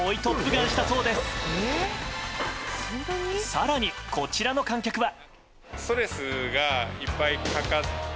更にこちらの観客は。